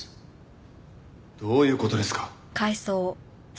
どういう事ですか？